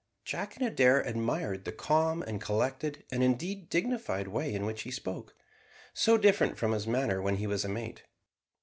Jack and Adair admired the calm and collected, and, indeed, dignified way in which he spoke, so different to his manner when he was a mate.